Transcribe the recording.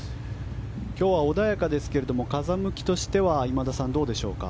今日は穏やかですけど風向きとしてはどうでしょう。